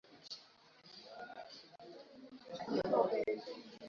kuwa kiko tayari kujiunga na serikali inayoongozwa na mfuasi wa chama cha hezbollah najim